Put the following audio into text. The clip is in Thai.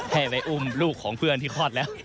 ให้ไปอุ้มลูกของเพื่อนที่คลอดแล้ว